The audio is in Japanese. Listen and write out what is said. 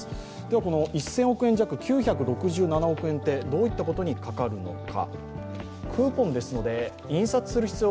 この１０００億円弱９６７億円ってどういったことにかかるのか。